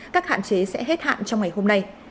các hạn chế sẽ hết hạn trong ngày hôm nay